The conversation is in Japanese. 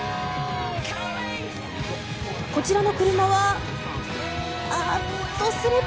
こちらの車はあっと、スリップ。